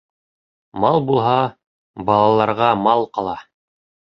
Мал булһа, балаларға мал ҡала